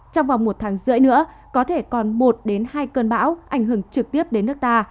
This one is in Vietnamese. trong vòng một tháng rưỡi nữa có thể còn một hai cơn bão ảnh hưởng trực tiếp đến nước ta